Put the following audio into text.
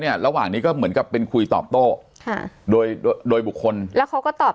ระหว่างนี้ก็เหมือนกับเป็นคุยตอบโต้ค่ะโดยโดยบุคคลแล้วเขาก็ตอบ